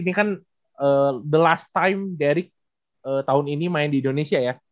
ini kan the last time deric tahun ini main di indonesia ya